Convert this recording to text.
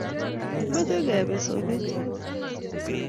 Omache kepe soget sait ata?